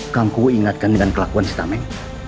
kamu ingatkan dengan kelakuan stamen